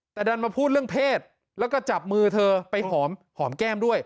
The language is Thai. แต่ดันมาพูดเรื่องเพศแล้วก็จับมือเธอไปหอมแก้มด้วย